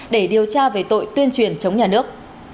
để điều tra về tội tuyên truyền chống nhà nước